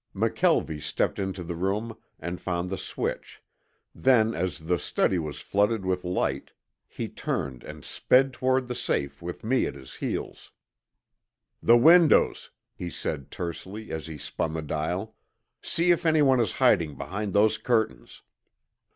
McKelvie stepped into the room and found the switch, then as the study was flooded with light, he turned and sped toward the safe with me at his heels. "The windows," he said tersely, as he spun the dial. "See if anyone is hiding behind those curtains."